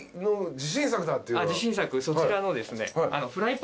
自信作そちらのですね。